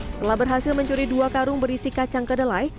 setelah berhasil mencuri dua karung berisi kacang kedelai